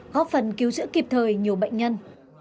góp phần cứu chữa kịp thời nhiều bệnh nhân